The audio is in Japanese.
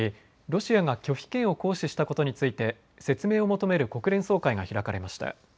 ロシアが拒否権を行使したことについて説明を求める国連総会が開かれました。